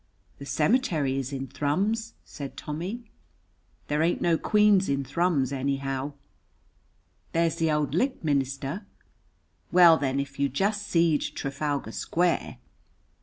"The cemetery is in Thrums," said Tommy. "There ain't no queens in Thrums, anyhow." "There's the auld licht minister." "Well, then, if you jest seed Trafalgar Square!"